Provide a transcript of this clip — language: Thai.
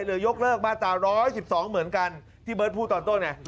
ยกเลิกมาตรา๑๑๒เหมือนกันที่เบิร์ตพูดตอนต้นไง